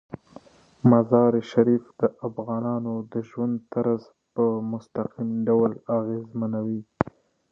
مزارشریف د افغانانو د ژوند طرز په مستقیم ډول ډیر اغېزمنوي.